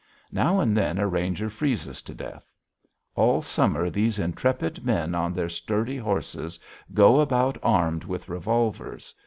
Now and then a ranger freezes to death. All summer these intrepid men on their sturdy horses go about armed with revolvers.